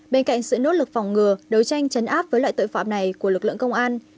bên cạnh sự nỗ lực phòng ngừa đấu tranh chấn áp với loại tội phạm này của lực lượng công an